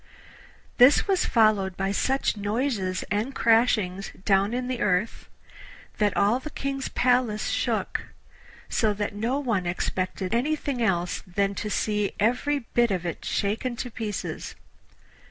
This was followed by such noises and crashings down in the earth that all the King's Palace shook, so that no one expected anything else than to see every bit of it shaken to pieces.